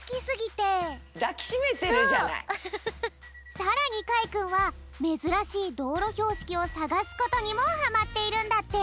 さらにかいくんはめずらしいどうろひょうしきをさがすことにもはまっているんだって。